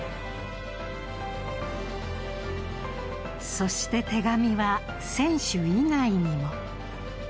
そして手紙は選手以外にも。